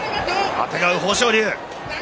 あてがう豊昇龍。